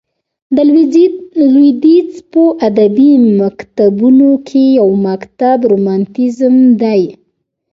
د لوېدیځ په ادبي مکتبونو کښي یو مکتب رومانتیزم دئ.